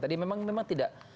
tadi memang tidak